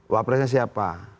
wah presidennya siapa